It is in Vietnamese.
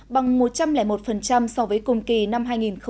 tại một so với cùng kỳ năm hai nghìn một mươi tám